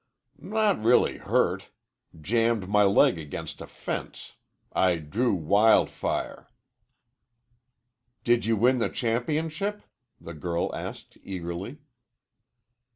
"Not really hurt. Jammed my leg against a fence. I drew Wild Fire." "Did you win the championship?" the girl asked eagerly.